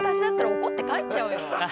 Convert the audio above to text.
怒って帰っちゃうよ